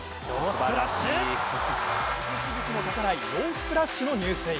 水しぶきもたたないノースプラッシュの入水。